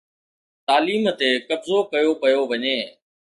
تعليم تي قبضو ڪيو پيو وڃي.